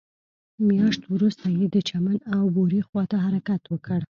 مياشت وروسته يې د چمن او بوري خواته حرکت وکړ.